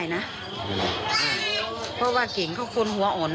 การรับความคิดเห็นของหมอปอค่ะ